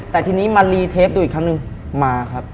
แต่ทีนี้มารีเทปดูอีกครั้งหนึ่งมาครับ